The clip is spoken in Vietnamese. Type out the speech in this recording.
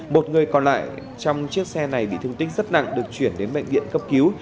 một người còn lại trong chiếc xe này bị thương tích rất nặng được chuyển đến bệnh viện cấp cứu